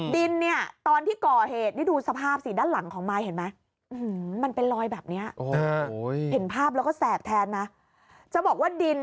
ดินเนี่ยตอนที่ก่อเหตุนี่ดูสภาพสีด้านหลังของมายเห็นไหม